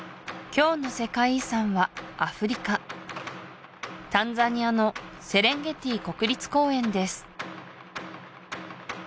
今日の世界遺産はアフリカタンザニアのセレンゲティ国立公園です